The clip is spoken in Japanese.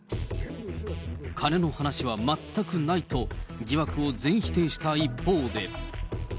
金の話は全くないと、疑惑を全否定した一方で。